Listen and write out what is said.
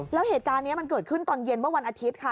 แล้วเหตุการณ์นี้มันเกิดขึ้นตอนเย็นเมื่อวันอาทิตย์ค่ะ